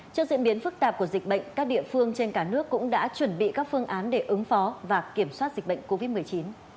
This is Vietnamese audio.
trước diễn biến phức tạp của dịch bệnh các địa phương trên cả nước cũng đã chuẩn bị các phương án để ứng phó và kiểm soát dịch bệnh covid một mươi chín